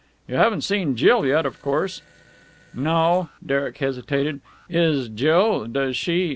"You haven't seen Jill yet, of course?" "No." Derek hesitated. "Is Jill.... Does she....